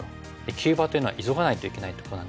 急場というのは急がないといけないとこなんですけども。